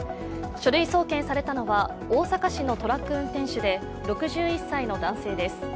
書類送検されたのは、大阪市のトラック運転手で６１歳の男性です。